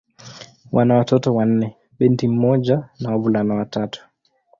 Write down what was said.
Wana watoto wanne: binti mmoja na wavulana watatu.